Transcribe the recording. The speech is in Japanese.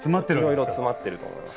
いろいろ詰まっていると思います。